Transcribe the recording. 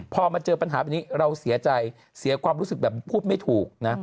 พอมาเจอปัญหาแบบนี้เราเสียใจเสียความรู้สึกแบบพูดไม่ถูกนะ